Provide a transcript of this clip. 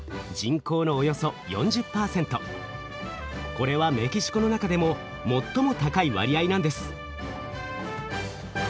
これはメキシコの中でも最も高い割合なんです。